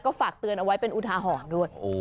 ฝากเตือนเอาไว้เป็นอุทาหรณ์ด้วย